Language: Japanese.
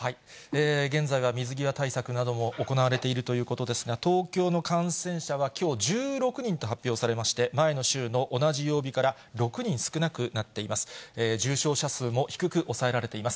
現在は水際対策なども行われているということですが、東京の感染者は、きょう１６人と発表されまして、前の週の同じ曜日から６人少なくなっています。